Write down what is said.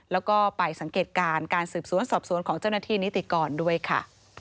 แล้วก็ไปสังเกตการณ์การสืบสวนสอบสวนของเจ้าหน้าที่นิติกรด้วยค่ะ